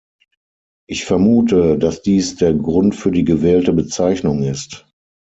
Ich vermute, dass dies der Grund für die gewählte Bezeichnung ist.